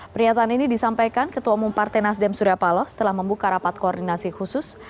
pernyataan ini disampaikan ketua umum partai nasdem surya paloh setelah membuka rapat koordinasi khusus